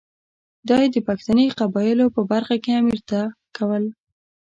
دا یې د پښتني قبایلو په برخه کې امیر ته کول.